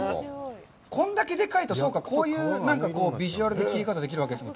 これだけでかいと、そうか、こういうビジュアル的な切り方ができる分けですか。